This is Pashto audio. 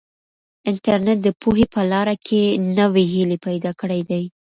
انټرنیټ د پوهې په لاره کې نوې هیلې پیدا کړي دي.